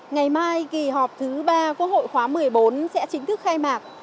ngày mai kỳ họp thứ ba quốc hội khóa một mươi bốn sẽ chính thức khai mạc